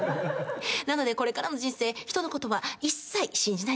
なのでこれからの人生人のことは一切信じないでください。